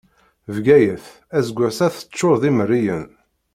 Bgayet, aseggas-a teččur d imerriyen.